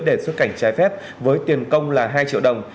để xuất cảnh trái phép với tiền công là hai triệu đồng